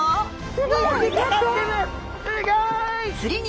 すギョい！